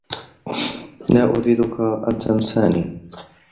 لا أريدك أن تنساني.